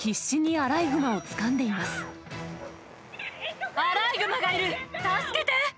アライグマがいる、助けて。